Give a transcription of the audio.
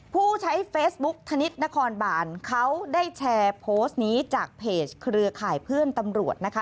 ผู้ใช้เฟซบุ๊กธนิษฐ์นครบานเขาได้แชร์โพสต์นี้จากเพจเครือข่ายเพื่อนตำรวจนะคะ